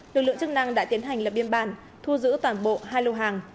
lực lượng chức năng đã tiến hành lập biên bản thu giữ toàn bộ hai lô hàng